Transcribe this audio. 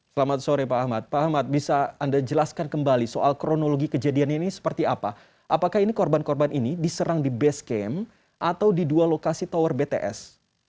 selamat sore pak ahmad pak ahmad bisa anda jelaskan kembali soal kronologi kejadian ini seperti apa apakah ini korban korban ini diserang di base camp atau di dua lokasi tower bts